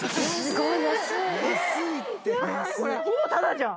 すごーい！